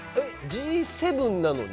Ｇ７なのに？